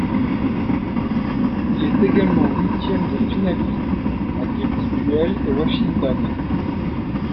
Il est également huitième de finaliste à Kitzbühel et Washington.